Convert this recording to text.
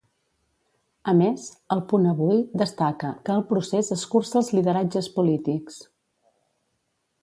A més, 'El Punt Avui'destaca que "El procés escurça els lideratges polítics".